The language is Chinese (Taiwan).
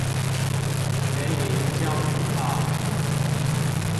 員林交流道